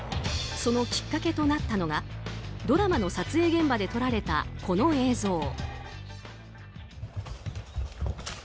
そのきっかけとなったのがドラマの撮影現場で撮られたこの映像。